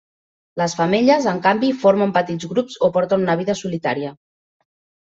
Les femelles, en canvi, formen petits grups o porten una vida solitària.